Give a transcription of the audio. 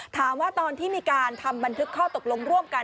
ตอนที่มีการทำบันทึกข้อตกลงร่วมกัน